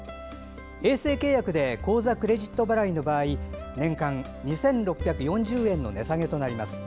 衛星契約で口座・クレジット払いの場合年間２６４０円の値下げとなります。